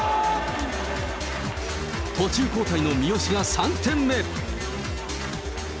途中交代の三好が３点目。